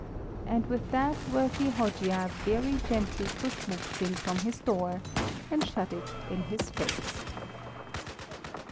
And with that worthy Hojia very gently pushed Muhzin from his door, and shut it in his face.